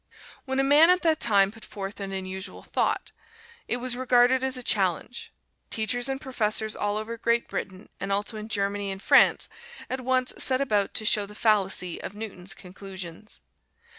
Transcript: When a man at that time put forth an unusual thought, it was regarded as a challenge. Teachers and professors all over Great Britain, and also in Germany and France, at once set about to show the fallacy of Newton's conclusions.